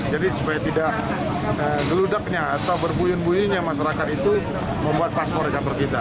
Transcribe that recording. jadi supaya tidak geludaknya atau berbunyinya masyarakat itu membuat paspor di kantor kita